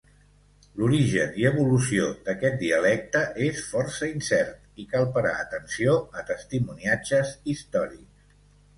L’origen i evolució d’aquest dialecte és força incert i cal parar atenció a testimoniatges històrics.